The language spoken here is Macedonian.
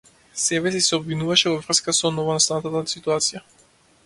Себеси се обвинуваше во врска со новонастанатата ситуација.